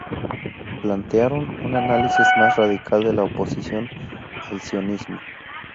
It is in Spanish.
Plantearon un análisis más radical de la oposición al sionismo.